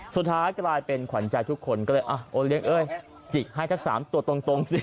สุดท้ายกลายเป็นขวัญใจทุกคนก็เลยโอเลี้ยงเอ้ยจิกให้สัก๓ตัวตรงสิ